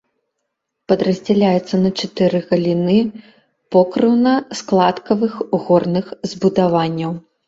Падраздзяляецца на чатыры галіны покрыўна-складкавых горных збудаванняў.